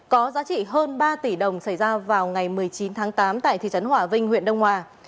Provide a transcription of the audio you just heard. có giá trị hơn ba tỷ đồng xảy ra vào ngày một mươi chín tháng tám tại thị trấn hỏa vinh huyện đông hòa